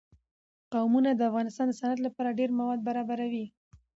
قومونه د افغانستان د صنعت لپاره ډېر مواد برابروي.